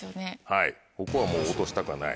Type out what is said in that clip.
はいここは落としたくはない。